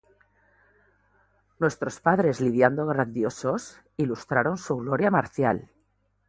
Nuestros padres lidiando grandiosos, Ilustraron su gloria marcial;